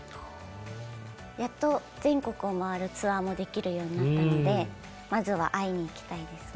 やっと全国を回るツアーもできるようになったのでまずは会いに行きたいです。